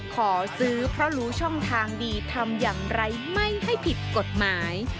ขอซื้อเพราะรู้ช่องทางดีทำอย่างไรไม่ให้ผิดกฎหมาย